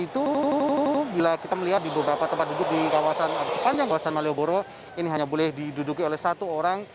itu bila kita melihat di beberapa tempat duduk di kawasan sepanjang kawasan malioboro ini hanya boleh diduduki oleh satu orang